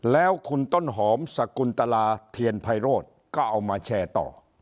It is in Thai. แล้วคุณต้นหอมสกุลตลาเทียนไพโรธก็เอามาแชร์ต่อ